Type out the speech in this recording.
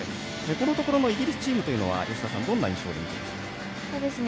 このところのイギリスチームは吉田さん、どんな印象ですか？